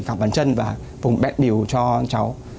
cả bàn chân và vùng bẹt biểu cho cháu